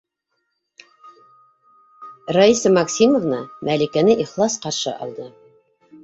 Раиса Максимовна Мәликәне ихлас ҡаршы алды: